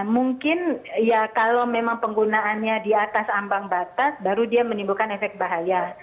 mungkin ya kalau memang penggunaannya di atas ambang batas baru dia menimbulkan efek bahaya